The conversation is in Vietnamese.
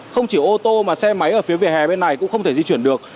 không chỉ ô tô mà xe máy ở phía vỉa hè bên này cũng không thể di chuyển được